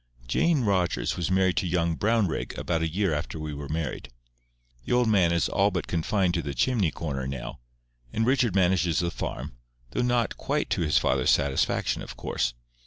Jane Rogers was married to young Brownrigg about a year after we were married. The old man is all but confined to the chimney corner now, and Richard manages the farm, though not quite to his father's satisfaction, of course.